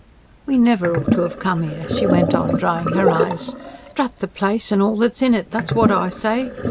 "We never ought to have come here," she went on drying her eyes. "Drat the place and all that's in it, that's what I say!